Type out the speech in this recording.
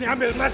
ambil semua ini